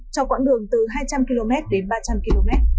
cho quãng đường từ hai trăm linh km đến ba trăm linh km